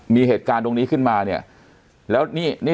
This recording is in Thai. มีเหตุการณ์ตรงนี้ขึ้นมาเนี่ยแล้วนี่